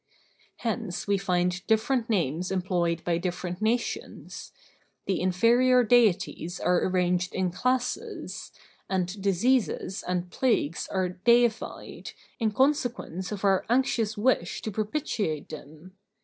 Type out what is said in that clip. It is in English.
Hence we find different names employed by different nations; the inferior deities are arranged in classes, and diseases and plagues are deified, in consequence of our anxious wish to propitiate them.